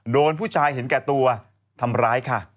โดนผู้ชายเห็นแก่ตัวทำร้ายค่ะ